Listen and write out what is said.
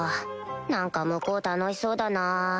何か向こう楽しそうだな